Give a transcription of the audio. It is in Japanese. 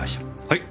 はい！